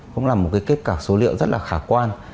cũng là một cái kết cạc số liệu rất là khả quan